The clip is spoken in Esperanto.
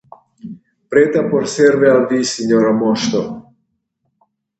Preta por servi al vi, sinjora moŝto!